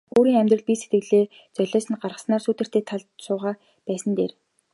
Өөрийн амьдрал бие сэтгэлээ золиосонд гаргаснаас сүүдэртэй талд суугаад байсан нь дээр.